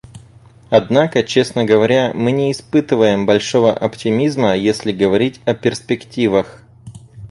Однако, честно говоря, мы не испытываем большого оптимизма, если говорить о перспективах.